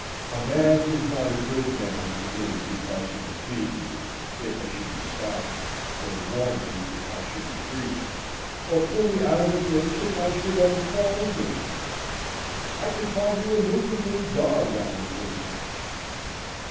A man is not a good man to me because he will feed me if I should be starving, or warm me if I should be freezing, or pull me out of a ditch if I should ever fall into one. I can find you a Newfoundland dog that will do as much.